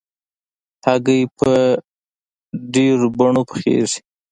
هګۍ په ډېرو بڼو پخېږي.